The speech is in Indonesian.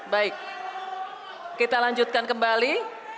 baik kita lanjutkan kembali